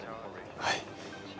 はい。